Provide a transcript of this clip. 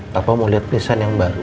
papa mau lihat pesan yang baru